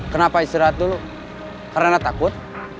kenapa istirahat dulu karena takut